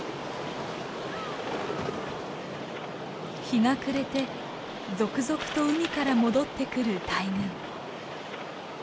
日が暮れて続々と海から戻ってくる大群。